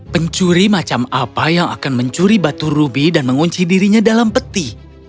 pencuri macam apa yang akan mencuri batu rubi dan mengunci dirinya dalam peti